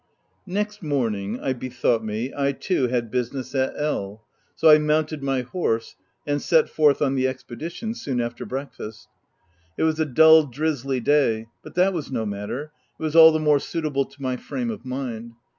Next morning, I bethought me, I, too, had busi ness at L —; so I mounted my horse and set forth on the expedition, soon after breakfast. It was a dull, drizzly day ; but that was no mat ter : it was all the more suitable to my frame of mind.